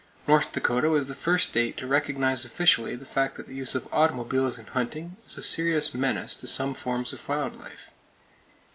North Dakota was the first state to recognize officially the fact that the use of automobiles in hunting is a serious menace to some forms of wild life.